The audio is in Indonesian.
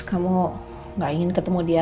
kamu gak ingin ketemu dia